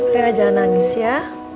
rena jangan nangis ya